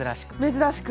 珍しく。